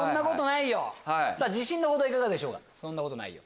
自信の程いかがでしょうか？